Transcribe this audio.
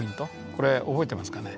これ覚えてますかね？